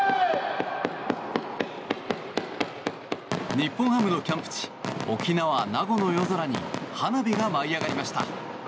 日本ハムのキャンプ地沖縄・名護の夜空に花火が舞い上がりました。